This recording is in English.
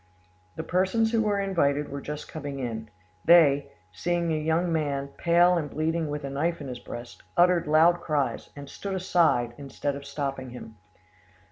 The persons who were invited were just coming in; they, seeing a young man, pale and bleeding with a knife in his breast, uttered loud cries, and stood aside, instead of stopping him.